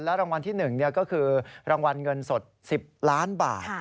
รางวัลที่๑ก็คือรางวัลเงินสด๑๐ล้านบาท